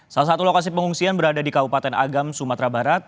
salah satu lokasi pengungsian berada di kabupaten agam sumatera barat